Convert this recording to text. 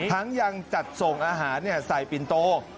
ทั้งยังจัดส่งอาหารใส่ปินโต๊ะ